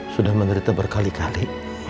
sudah menderita berkali kali